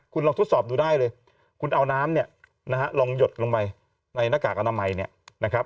คุณลองทดสอบดูได้เลยคุณเอาน้ำเนี่ยนะฮะลองหยดลงไปในหน้ากากอนามัยเนี่ยนะครับ